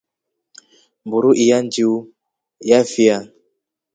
Mburu iya njiiu yafyaa.